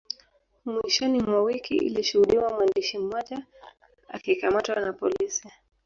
Mwishoni mwa wiki ilishuhudiwa mwandishi mmoja akikamatwa na polisi